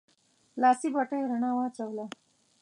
لاسي بتۍ رڼا واچوله.